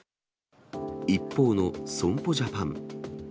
一方の損保ジャパン。